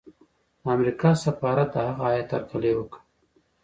د امریکا سفارت د هغه هیات هرکلی وکړ.